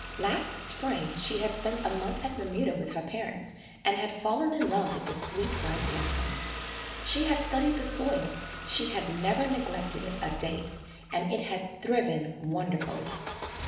Last Spring she had spent a month at Bermuda with her parents and had fallen in love with the sweet white blossoms. She had studied the soil, she had never neglected it a day, and it had thriven wonderfully.